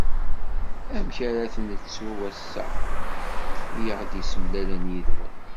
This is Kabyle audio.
Amek ara t-nettu wass-a, i aɣ-d-yessemlalen yid-wen.